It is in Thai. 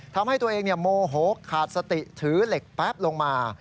ทำให้ตัวเองโมโหขาดสติถือเหล็กแป๊บลงมา